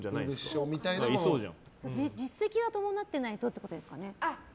実績が伴ってないとってことですよね。